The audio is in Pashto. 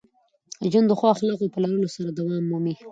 ژوند د ښو اخلاقو په لرلو سره دوام مومي.